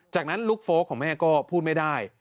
จากนั้นลูกโฟลกของแม่ก็พูดไม่ได้